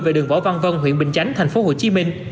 về đường võ văn vân huyện bình chánh tp hcm